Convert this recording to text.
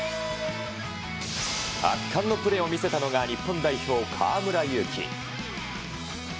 圧巻のプレーを見せたのが日本代表、河村勇輝。